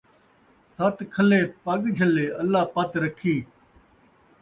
ست کھلے پڳ جھلّے ، اللہ پت رکھی